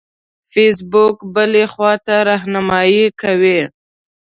فیسبوک بلې خواته رهنمایي کوي.